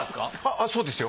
あぁそうですよ。